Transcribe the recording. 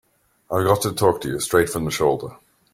I've got to talk to you straight from the shoulder.